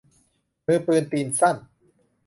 มือสั้นตีนสั้น